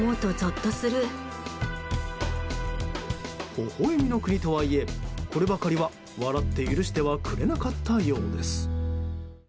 ほほ笑みの国とはいえこればかりは笑って許してはくれなかったようです。